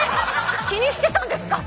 気にしてたんですか先生！